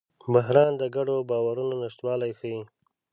بحران د ګډو باورونو نشتوالی ښيي.